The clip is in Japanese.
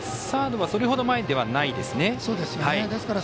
サードはそれほど前ではないです。